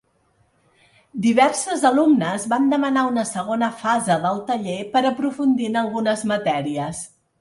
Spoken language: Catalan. Diverses alumnes van demanar una segona fase del taller per aprofundir en algunes matèries.